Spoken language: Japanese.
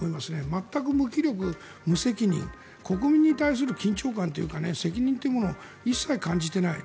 全く無気力、無責任国民に対する緊張感というか責任というものを一切感じていない。